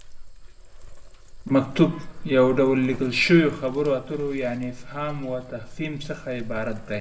مکتوب: یو ډول ليکل شويو خبرو اترو یعنې فهام وتفهيم څخه عبارت دی